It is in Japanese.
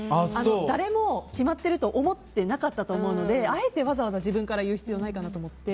誰も決まってると思ってなかったと思うのであえてわざわざ自分から言う必要ないかなと思って。